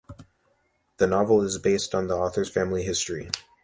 The novel is based on the author's family history.